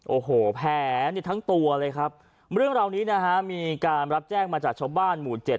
โอ้โหแผลทั้งตัวเลยครับเรื่องเหล่านี้มีการรับแจ้งมาจากชาวบ้านหมู่๗